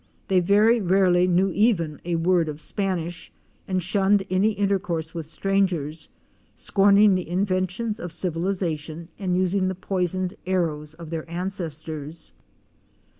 They very rarely knew even a word of Spanish and shunned any intercourse with strangers, scorning the inventions of civilization and using the poisoned arrows of their ancestors.